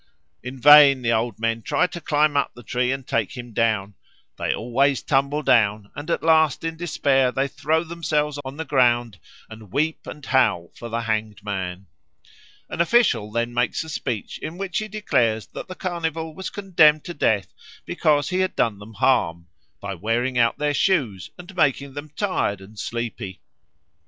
In vain the old men try to climb up the tree and take him down; they always tumble down, and at last in despair they throw themselves on the ground and weep and howl for the hanged man. An official then makes a speech in which he declares that the Carnival was condemned to death because he had done them harm, by wearing out their shoes and making them tired and sleepy.